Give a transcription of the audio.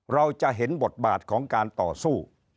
เราจะเห็นบทบาทของการต่อสู้